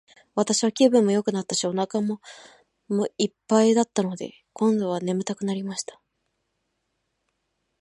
私は気分もよくなったし、お腹も一ぱいだったので、今度は睡くなりました。